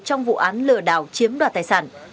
trong vụ án lừa đảo chiếm đoạt tài sản